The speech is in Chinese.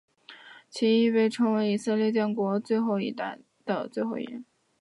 其亦被认为是以色列建国一代的最后一人。